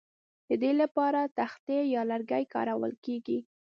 د دې لپاره تختې یا لرګي کارول کیږي